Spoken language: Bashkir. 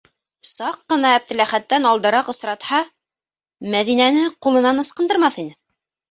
Саҡ ҡына Әптеләхәттән алдараҡ осратһа, Мәҙинәне ҡулынан ыскындырмаҫ ине.